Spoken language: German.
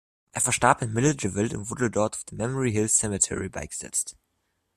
Er verstarb in Milledgeville und wurde dort auf dem "Memory Hill Cemetery" beigesetzt.